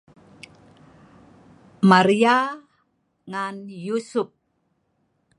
Maria ngaen Yusup